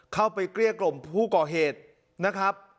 เข้าไปเกลี้ยกลมผู้กอเหตุนะครับ